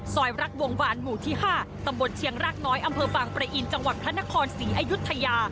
รักวงวานหมู่ที่๕ตำบลเชียงรากน้อยอำเภอบางประอินจังหวัดพระนครศรีอยุธยา